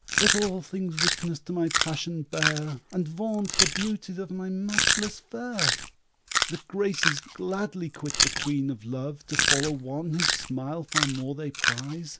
Let all things witness to my passion bear, And vaunt the beauties of my matchless fair! The Graces gladly quit the Queen of Love To follow one whose smile far more they prize.